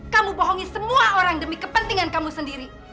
kamu bohongi semua orang demi kepentingan kamu sendiri